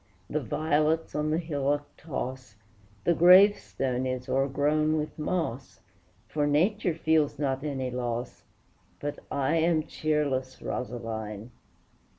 The violets on the hillock toss, The gravestone is o'ergrown with moss; For nature feels not any loss, But I am cheerless, Rosaline!